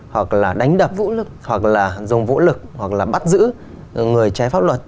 hoặc là đánh đập vũ lực hoặc là dùng vũ lực hoặc là bắt giữ người trái pháp luật